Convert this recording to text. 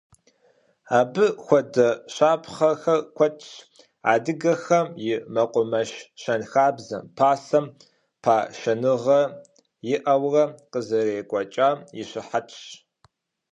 Абы хуэдэ щапхъэхэр куэдщ, адыгэхэм и мэкъумэш щэнхабзэм пасэм пашэныгъэ иӀэурэ къызэрекӀуэкӀам и щыхьэтщ.